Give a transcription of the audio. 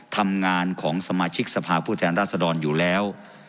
ทำงานของสมาชิกสภาพผู้แทนราษดรอยู่แล้ว